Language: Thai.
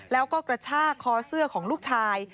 แล้วก็กระชากคอเสื้อของลูกชาย